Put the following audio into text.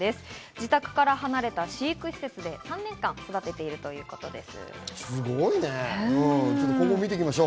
自宅から離れた飼育施設で３年間育てているということです。